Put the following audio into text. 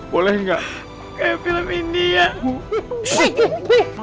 kayak film india